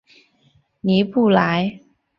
尼布莱。